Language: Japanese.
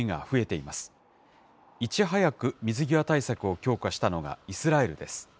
いち早く水際対策を強化したのがイスラエルです。